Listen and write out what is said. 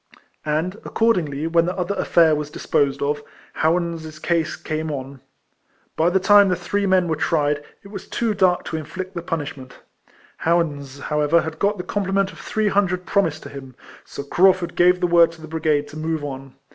And, accordingly, when the other affair was disposed of, Howans' case came on. By the time the three men were tried, it 198 UECOLLECTIONS OF was too dark to inflict tlie punishment. Howans, however, had got the complement of three hundred promised to him; so Crau furd gave tlie word to the brigade to move on.